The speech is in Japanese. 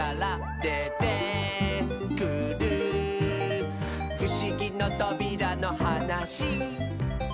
「でてくるふしぎのとびらのはなし」